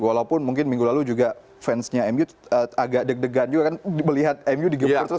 walaupun mungkin minggu lalu juga fansnya mu agak deg degan juga kan melihat mu di game terus